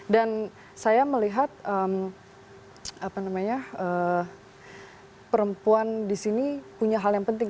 dan saya melihat perempuan disini punya hal yang penting